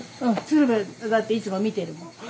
「鶴瓶」だっていつも見てるもん。